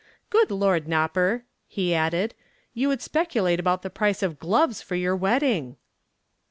"Good Lord, Nopper," he added, "you would speculate about the price of gloves for your wedding."